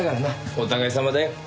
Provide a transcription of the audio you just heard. お互いさまだよ。